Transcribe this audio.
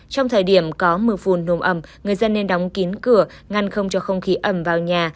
trong thời điểm có mưa phùn nồm ẩm người dân nên đóng kín cửa ngăn không cho không khí ẩm vào nhà